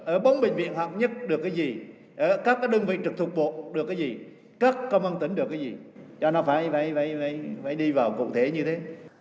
ở bốn bệnh viện hoạt nhất được cái gì ở các đơn vị trực thuộc bộ được cái gì các công an tỉnh được cái gì cho nó phải đi vào cụ thể như thế